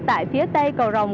tại phía tây cầu rồng